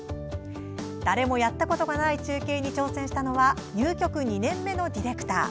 誰もやったことがない中継に挑戦したのは入局２年目のディレクター。